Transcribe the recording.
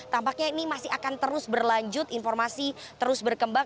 tampaknya ini masih akan terus berlanjut informasi terus berkembang